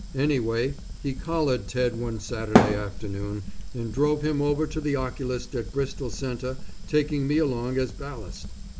Anyway he collared Ted one Saturday afternoon, and drove him over to the oculist at Bristol Centre taking me along as ballast.